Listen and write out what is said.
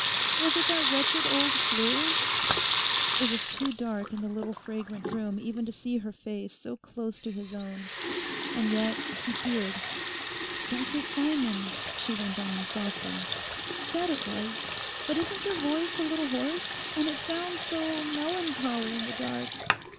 Was it that wretched old Flu?' It was too dark in the little fragrant room even to see her face so close to his own. And yet he feared. 'Dr Simon,' she went on softly, 'said it was. But isn't your voice a little hoarse, and it sounds so melancholy in the dark.